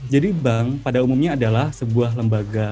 jadi bank pada umumnya adalah sebuah lembaga